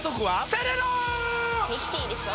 セレナ‼「ミキティ」でしょ？